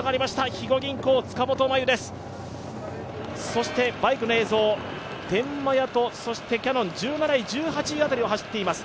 肥後銀行、塚本真夕ですそしてバイクの映像、天満屋とキヤノン、１７位、１８位辺りを走っています。